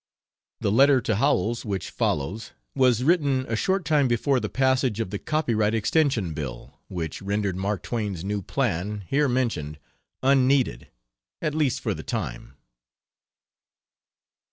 The letter to Howells which follows was written a short time before the passage of the copyright extension bill, which rendered Mark Twain's new plan, here mentioned, unneeded at least for the time.